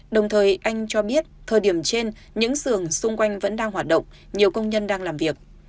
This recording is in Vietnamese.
đồng thời anh cho biết thời điểm trên những xưởng xung quanh vẫn đang hoạt động nhiều công nhân đang làm việc